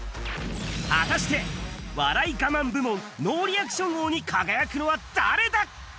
果たして、笑い我慢部門ノーリアクション王に輝くのは誰だ？